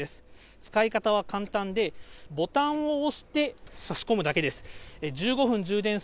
使い方は簡単で、ボタンを押して差し込むだけです。